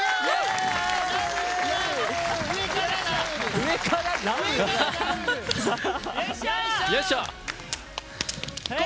上からだ！